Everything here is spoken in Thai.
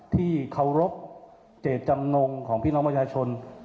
ที่เคารพเจตจำนงของพี่น้องประชาชน